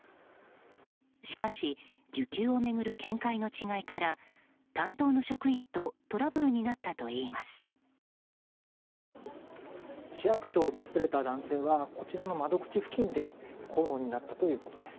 しかし需給を巡る見解の違いから担当の職員とトラブルになったといいます。